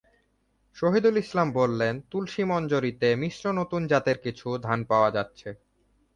শাহীদুল ইসলাম বললেন, তুলসী মঞ্জরিতে মিশ্র নতুন জাতের কিছু ধান পাওয়া যাচ্ছে।